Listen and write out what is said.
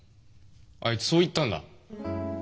あいつそう言ったんだ。